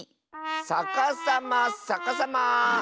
さかさまさかさま。